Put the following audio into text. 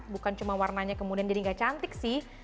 bukan cuma warnanya kemudian jadi gak cantik sih